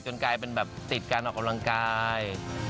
กลายเป็นแบบติดการออกกำลังกาย